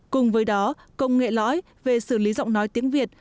cùng với đó công nghệ lõi về xử lý giọng nói tiếng việt